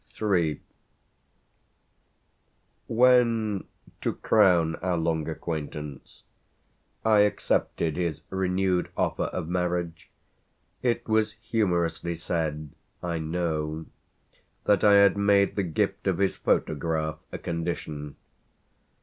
III When to crown our long acquaintance I accepted his renewed offer of marriage it was humorously said, I know, that I had made the gift of his photograph a condition.